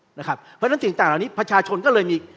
เพราะฉะนั้นสิ่งต่างเหล่านี้ประชาชนก็เลยมี